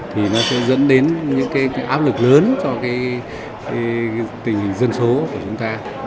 thì nó sẽ dẫn đến những cái áp lực lớn cho cái tình hình dân số của chúng ta